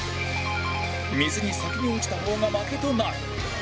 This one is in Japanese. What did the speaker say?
水に先に落ちた方が負けとなる